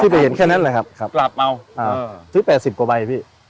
ที่ไปเห็นแค่นั้นแหละครับครับกลับเอาอ่าซื้อแปดสิบกว่าใบพี่